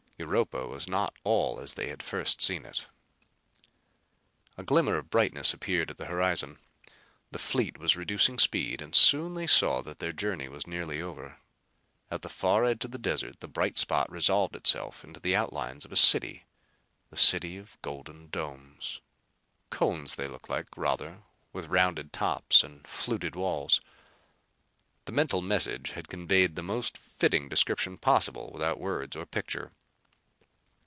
Europa was not all as they had first seen it. A glimmer of brightness appeared at the horizon. The fleet was reducing speed and soon they saw that their journey was nearly over. At the far edge of the desert the bright spot resolved itself into the outlines of a city, the city of golden domes. Cones they looked like, rather, with rounded tops and fluted walls. The mental message had conveyed the most fitting description possible without words or picture.